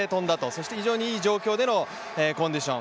そして非常にいい状況でのコンディション。